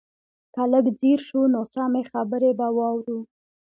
که لږ ځير شو نو سمې خبرې به واورو.